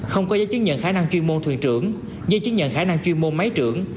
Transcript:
không có giấy chứng nhận khả năng chuyên môn thuyền trưởng giấy chứng nhận khả năng chuyên môn máy trưởng